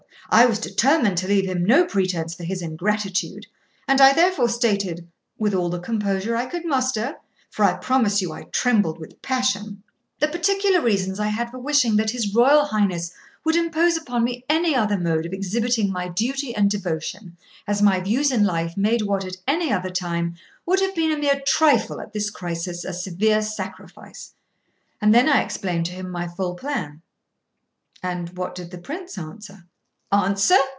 I was determined to leave him no pretence for his ingratitude, and I therefore stated, with all the composure I could muster, for I promise you I trembled with passion, the particular reasons I had for wishing that his Royal Highness would impose upon me any other mode of exhibiting my duty and devotion, as my views in life made what at any other time would have been a mere trifle at this crisis a severe sacrifice; and then I explained to him my full plan.' 'And what did the Prince answer?'